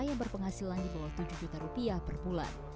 yang berpenghasilan di bawah tujuh juta rupiah per bulan